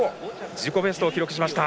自己ベストを記録しました。